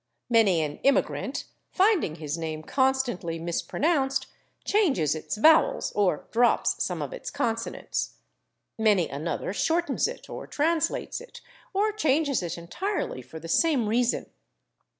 Many an immigrant, finding his name constantly mispronounced, changes its vowels or drops some of its consonants; many another shortens it, or translates it, or changes it entirely for the same reason.